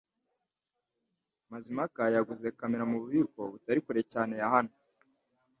Mazimpaka yaguze kamera mububiko butari kure cyane yahano